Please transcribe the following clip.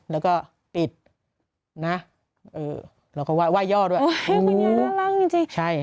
แล้วก็ปิดนะเออแล้วก็ไหว้ย่อด้วยอุ้ยคุณยายน่ารักจริงจริงใช่